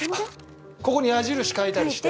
ここに矢印書いたりして。